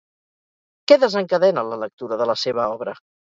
Què desencadena la lectura de la seva obra?